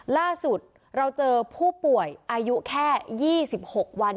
ล่าสุดเราเจอผู้ป่วยอายุแค่๒๖วัน